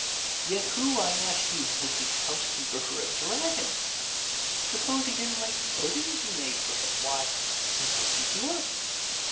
Yet who, I ask you, would be housekeeper for a dragon? Suppose he did n't like the puddings you made for him why, he might eat you up!